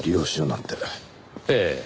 ええ。